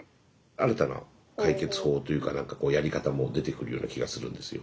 新たな解決法というか何かこうやり方も出てくるような気がするんですよ。